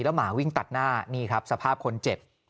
หมาวิ่งตัดหน้านี่ครับสภาพคนเจ็บ